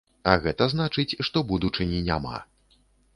А гэта значыць, што будучыні няма.